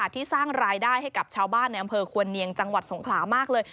ที่สร้างรายได้ให้กับชาวบ้านในอำเภอควรเนียงจังหวัดสงขลามากเลย